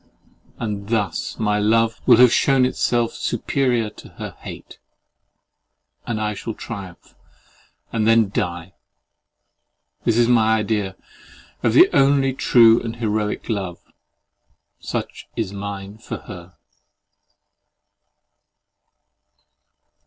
And thus my love will have shewn itself superior to her hate; and I shall triumph and then die. This is my idea of the only true and heroic love! Such is mine for her.